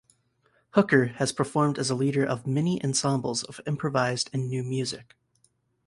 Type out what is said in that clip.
Hooker has performed as a leader of many ensembles of improvised and new music.